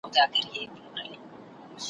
پلار نیکه او ورنیکه مي ټول ښکاریان وه `